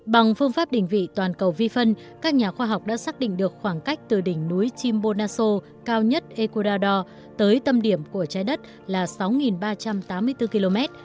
bằng phương pháp định vị toàn cầu vi phân các nhà khoa học đã xác định được khoảng cách từ đỉnh núi chim boaso cao nhất ecuador tới tâm điểm của trái đất là sáu ba trăm tám mươi bốn km